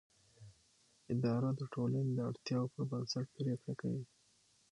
اداره د ټولنې د اړتیاوو پر بنسټ پریکړه کوي.